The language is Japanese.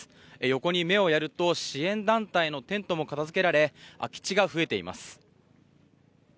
横に目をやると支援団体のテントも片付けられ空き地が増えています。